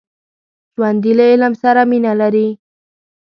ژوندي له علم سره مینه لري